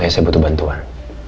makanya saya butuh bantuan